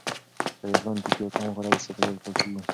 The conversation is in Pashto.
که د سون توکي کم وکارول شي، چاپیریال پاکېږي.